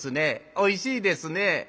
おいしいですね。